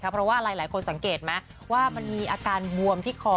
เพราะว่าหลายคนสังเกตไหมว่ามันมีอาการบวมที่คอ